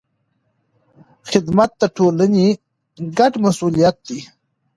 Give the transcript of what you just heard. خدمت د ټولنې ګډ مسوولیت دی.